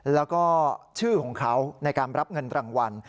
แล้วก็ชื่อของเขาในการรับเงินรางวัล